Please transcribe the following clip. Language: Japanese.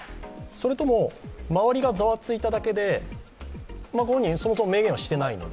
それとも周りがざわついただけで本人、そもそも明言はしていないので。